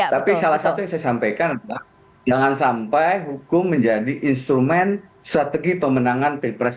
tapi salah satu yang saya sampaikan adalah jangan sampai hukum menjadi instrumen strategi pemenangan pilpres dua ribu